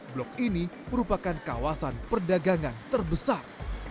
blok ini merupakan kawasan perdagangan terbesar